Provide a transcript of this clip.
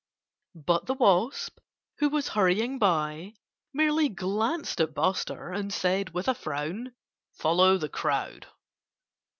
But the wasp, who was hurrying by, merely glanced at Buster and said, with a frown: "Follow the crowd!"